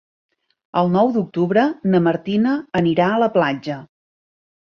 El nou d'octubre na Martina anirà a la platja.